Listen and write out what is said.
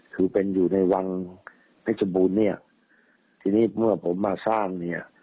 คือเป็นอยู่ในวังนักจบูรณ์ที่นี่เมื่อผมมาสร้าง